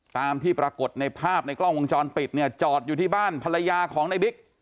ตามที่ปรากฏในภาพในกล้องวงจรปิดเนี่ยจอดอยู่ที่บ้านภรรยาของในบิ๊ก